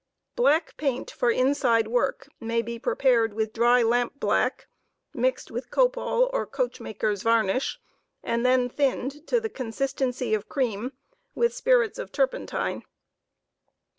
Black paint for inside work may be prepared with dry lampblack, mixed with copal or coachmakers' varnish and then thinned to the consistency of cream with spirits of turpentine.